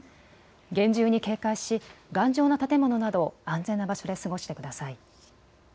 厳重に警戒し頑丈な建物など安全な場所で過ごしてください。